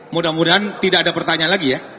mudah mudahan tidak ada pertanyaan lagi ya